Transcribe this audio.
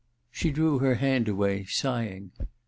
She drew her hand away, sighing.